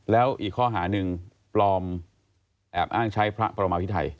แล้วอีกข้อหาหนึ่งปลอมแอบอ้างใช้พระประมาพิไทย